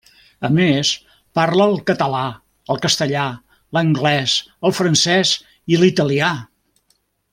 A més, parla el català, el castellà, l'anglès, el francès i l'italià.